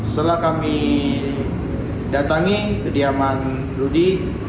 setelah kami datangi kediaman rudy